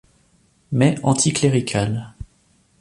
Mais anticlérical.